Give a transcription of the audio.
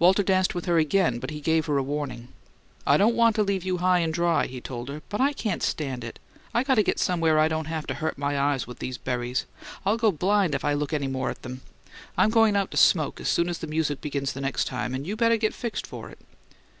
Walter danced with her again, but he gave her a warning. "I don't want to leave you high and dry," he told her, "but I can't stand it. I got to get somewhere I don't haf' to hurt my eyes with these berries; I'll go blind if I got to look at any more of 'em. I'm goin' out to smoke as soon as the music begins the next time, and you better get fixed for it."